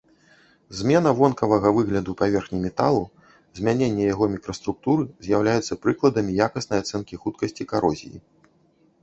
Змена вонкавага выгляду паверхні металу, змяненне яго мікраструктуры з'яўляюцца прыкладамі якаснай ацэнкі хуткасці карозіі.